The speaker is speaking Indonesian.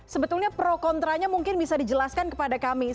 sebetulnya pro kontranya mungkin bisa dijelaskan kepada kami